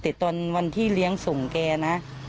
แต่ตอนวันที่เลี้ยงส่งแกนะ